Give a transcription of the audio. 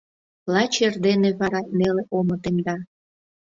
Лач эрдене вара неле омо темда.